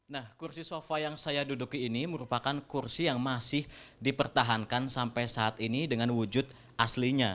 nah kursi sofa yang saya duduki ini merupakan kursi yang masih dipertahankan sampai saat ini dengan wujud aslinya